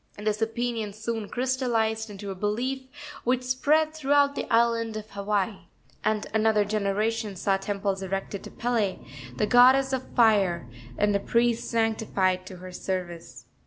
This opinion soon crystalized into a belief which spread throughout the island of Hawaii, and another generation saw temples erected to Pele, the goddess of fire, and priests sanctified to her service.